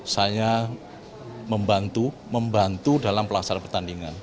saya membantu dalam pelaksanaan pertandingan